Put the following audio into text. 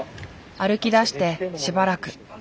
歩きだしてしばらく。